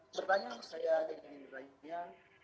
pertanyaan saya ini lainnya